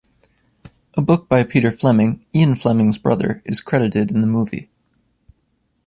A book by Peter Fleming, Ian Fleming's brother, is credited in the movie.